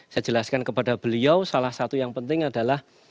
saya jelaskan kepada beliau salah satu yang penting adalah